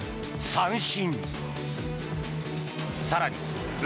三振！